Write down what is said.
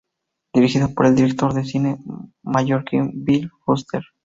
Dirigida por el director de cine mallorquín Biel Fuster.